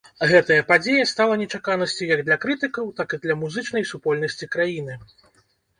Гэтая падзея стала нечаканасцю як для крытыкаў, так і для музычнай супольнасці краіны.